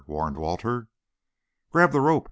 warned Walter. "Grab the rope!"